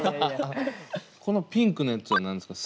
このピンクのやつは何ですか？